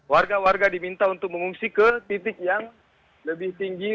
warga warga diminta untuk mengungsi ke titik yang lebih tinggi